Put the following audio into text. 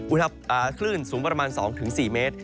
คลื่นสูงประมาณ๒๔เมตร